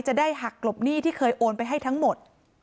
จะได้หักกลบหนี้ที่เคยโอนไปให้ทั้งหมด